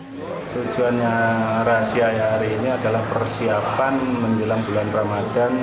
tujuan razia hari ini adalah persiapan menjelang bulan ramadan